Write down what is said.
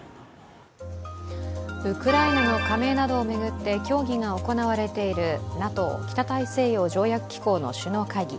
ウクライナの加盟などを巡って協議が行われているＮＡＴＯ＝北大西洋条約機構の首脳会議